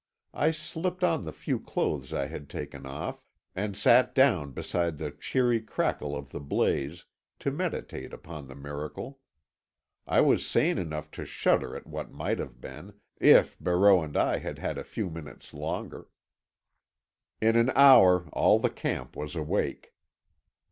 I slipped on the few clothes I had taken off, and sat down beside the cheery crackle of the blaze, to meditate upon the miracle. I was sane enough to shudder at what might have been, if Barreau and I had had a few minutes longer. In an hour all the camp was awake.